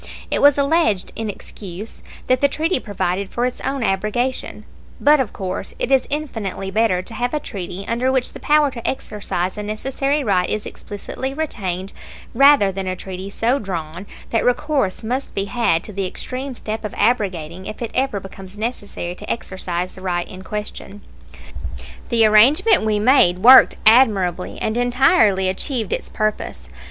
It was alleged in excuse that the treaty provided for its own abrogation; but of course it is infinitely better to have a treaty under which the power to exercise a necessary right is explicitly retained rather than a treaty so drawn that recourse must be had to the extreme step of abrogating if it ever becomes necessary to exercise the right in question. The arrangement we made worked admirably, and entirely achieved its purpose.